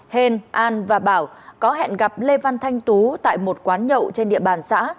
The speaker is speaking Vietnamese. hên an và bảo có hẹn gặp lê văn thanh tú tại một quán nhậu trên địa bàn xã